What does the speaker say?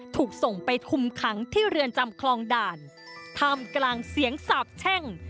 ถูกส่งไปคุมขังที่เรือนจำคลองด่านท่ามกลางเสียงสาบแช่ง